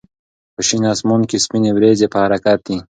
په شین اسمان کې سپینې وريځې په حرکت دي.